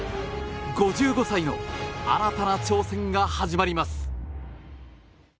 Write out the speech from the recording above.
５５歳の新たな挑戦が始まります。